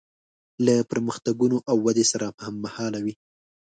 له پرمختګونو او ودې سره هممهاله وي.